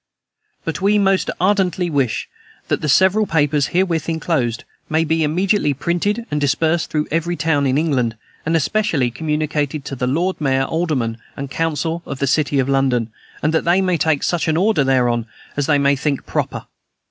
"But we most ardently wish that the several papers herewith enclosed may be immediately printed and dispersed through every town in England, and especially communicated to the lord mayor, aldermen, and council, of the city of London, that they may take such order thereon as they may think proper.